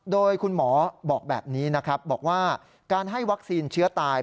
โดยคุณหมอบอกแบบนี้นะครับบอกว่าการให้วัคซีนเชื้อตาย